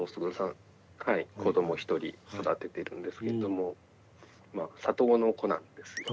子ども１人育ててるんですけれどもまあ里子の子なんですね。